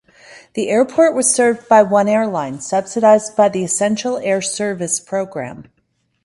The airport was served by one airline, subsidized by the Essential Air Service program.